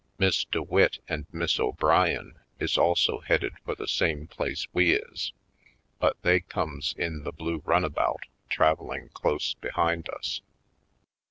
Miss DeWitt and Miss O'Brien is also headed for the same place we is, but they comes in the blue run about traveling close behind us.